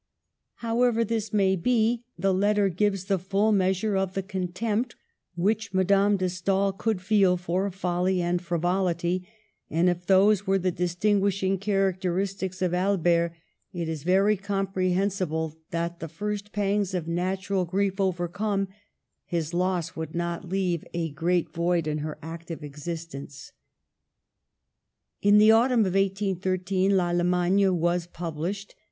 However this may be, the letter gives the full measure of the contempt which Madame de Stael could feel for folly and frivolity ; and, if those were the distinguishing characteristics of Albert, it is very comprehensi Digitized by VjOOQIC 1 ENGLAND AGAIN 185 ble that, the first pangs of natural grief overcome, his loss would not leave a great void in her active existence. In the autumn of 18 13 UAllemagne was pub lished.